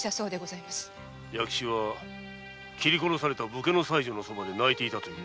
弥吉は斬り殺された武家の妻女の側で泣いていたという。